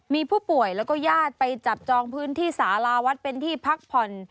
มีผู้ป่วยแล้วก็ญาติไปจับจองพื้นที่สาราวัดเป็นที่พักผ่อน